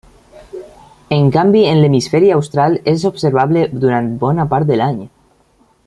En canvi en l'hemisferi austral és observable durant bona part de l'any.